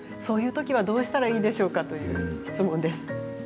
そういうときはどうしたらいいでしょうか？という質問です。